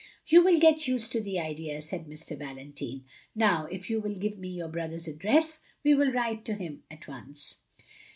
"You will get used to the idea," said Mr. Valentine. "Now if you will give me your brother's address, we will write to him at once."